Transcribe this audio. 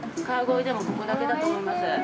◆川越でも、ここだけだと思います。